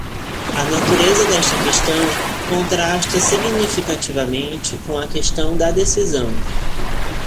A natureza desta questão contrasta significativamente com a questão da decisão.